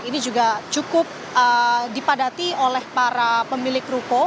ini juga cukup dipadati oleh para pemilik ruko